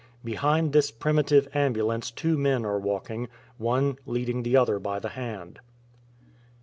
Behind this primitive ambulance two men are walking, one leading the other by the hand.